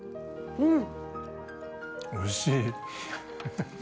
うん。